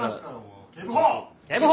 警部補！